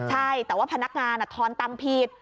ใช่แต่ว่าพนักงานทอนตังค์ผิด